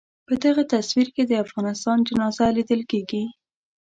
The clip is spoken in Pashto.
په دغه تصویر کې د افغانستان جنازه لیدل کېږي.